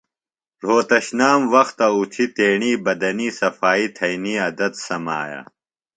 رھوشنام وختہ اُتھیۡ تیݨی بدنی صفائی تھئنی عدت سمایہ۔